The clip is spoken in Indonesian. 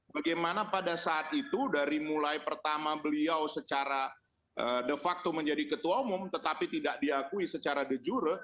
bagaimana pada saat itu dari mulai pertama beliau secara de facto menjadi ketua umum tetapi tidak diakui secara de jure